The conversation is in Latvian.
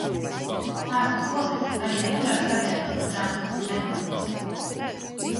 Ārpus Ogres arī nekur ar sabiedrisko transportu nedodos.